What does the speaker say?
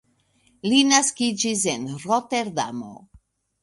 Li naskiĝis en Roterdamo.